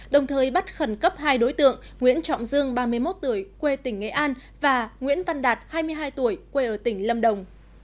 đồng thời bắt khẩn cấp hai đối tượng nguyễn trọng dương ba mươi một tuổi quê tỉnh nghệ an và nguyễn văn đạt hai mươi hai tuổi quê ở tỉnh lâm đồng